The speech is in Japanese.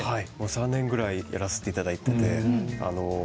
３年ぐらいやらせていただいています。